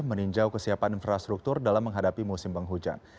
meninjau kesiapan infrastruktur dalam menghadapi musim penghujan